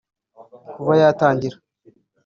Kuva yatangira